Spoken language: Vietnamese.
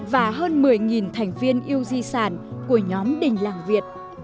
và hơn một mươi thành viên yêu di sản của nhóm đình làng việt